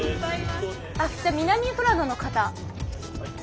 じゃあ南富良野の方。